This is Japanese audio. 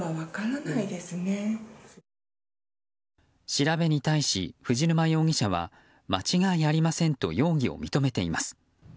調べに対し藤沼容疑者は間違いありませんと容疑を認めています。